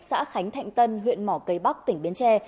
xã khánh thạnh tân huyện mỏ cây bắc tỉnh bến tre